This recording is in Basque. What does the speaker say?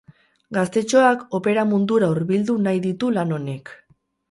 Gaztetxoak opera mundura hurbildu nahi ditu lan honek.